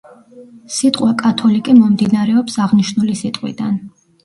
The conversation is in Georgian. სიტყვა „კათოლიკე“ მომდინარეობს აღნიშნული სიტყვიდან.